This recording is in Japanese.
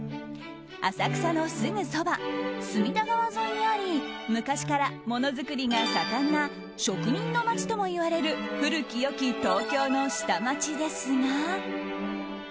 浅草のすぐそば隅田川沿いにあり昔からものづくりが盛んな職人の街ともいわれる古き良き東京の下町ですが。